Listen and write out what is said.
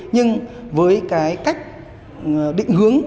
nhưng với cách định hướng